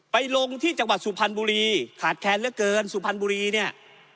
ไปลงที่จังหวัดสุพรรณบุรีขาดแคลนเหลือเกินสุพรรณบุรีเนี่ย